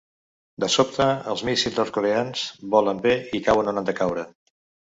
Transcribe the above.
De sobte, els míssils nord-coreans volen bé i cauen on han de caure.